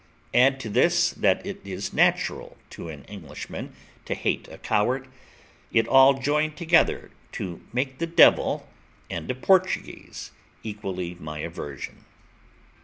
Add to this that it is natural to an Englishman to hate a coward, it all joined together to make the devil and a Portuguese equally my aversion.